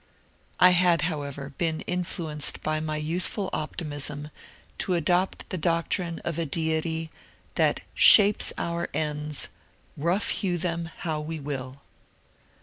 I had, however, been influenced by my youthful optimism to adopt the doctrine of a deity that ^^ shapes our ends, rough hew them how we will."